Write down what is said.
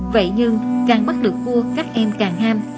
vậy nhưng càng bắt được cua các em càng ham